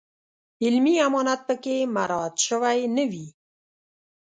علمي امانت په کې مراعات شوی نه وي.